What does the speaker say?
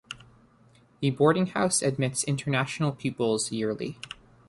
The boarding house admits international pupils yearly.